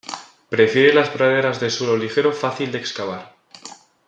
Prefiere las praderas de suelo ligero fácil de excavar.